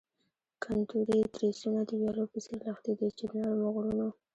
کنتوري تریسونه د ویالو په څیر لښتې دي چې د نرمو غرونو.